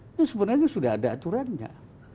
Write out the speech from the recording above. itu sebenarnya sudah ada aturannya